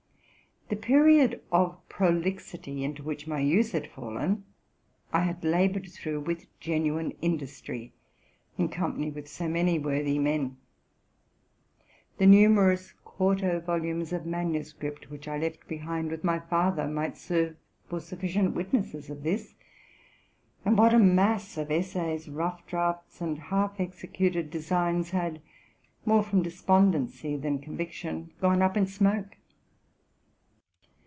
The period of prolixity into which my youth had fallen, I had labored through with genuine industry, in company with so many worthy men. The numerous quarto volumes of manuscript which I left behind with my father might serve for sufficient witnesses of this; and what a mass of essays, rough draughts, and half executed designs, had, more from despondency than conviction, gone up in smoke!